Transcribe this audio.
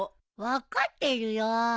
分かってるよ。